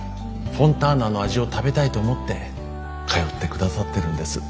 フォンターナの味を食べたいと思って通ってくださってるんです。